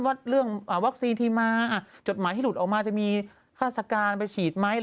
ว่าวัคซีนที่มาจดหมายที่หลุดออกมาจะมีฆาตศักรรณ์ไปฉีดไหม